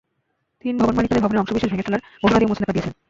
তিন ভবনমালিক তাঁদের ভবনের অংশবিশেষ ভেঙে ফেলার ঘোষণা দিয়ে মুচলেকা দিয়েছেন।